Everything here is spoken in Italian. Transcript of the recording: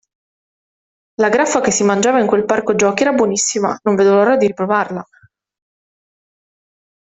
La graffa che si mangiava in quel parco giochi era buonissima, non vedo l'ora di riprovarla.